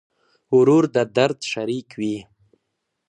ورور د درد شریک وي.